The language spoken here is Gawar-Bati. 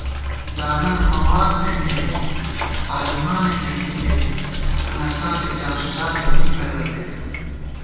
ڈالر مواد بېنٹی مېت، عالِمانہ گېنٹِمېت، سولہ ساتی جاسوسان بی مِکہ رتئ